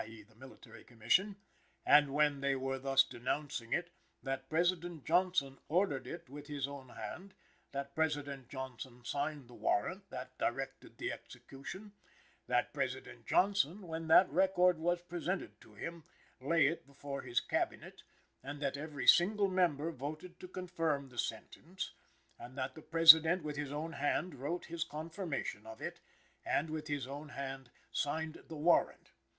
e._ the Military Commission), "and when they were thus denouncing it, that President Johnson ordered it with his own hand, that President Johnson signed the warrant that directed the execution, that President Johnson when that record was presented to him, laid it before his Cabinet, and that every single member voted to confirm the sentence, and that the President with his own hand wrote his confirmation of it, and with his own hand signed the warrant.